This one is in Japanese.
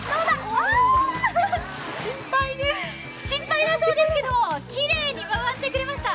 失敗だそうですけど、きれにい回ってくれました。